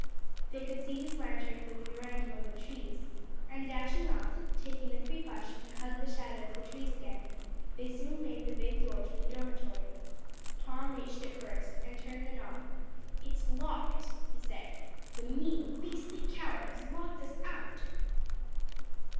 _" They could see his lantern moving around among the trees; and dashing off, taking the precaution to hug the shadow of the trees again, they soon made the big door to the dormitory. Tom reached it first, and turned the knob. "It's locked," he said. "The mean, beastly coward has locked us out."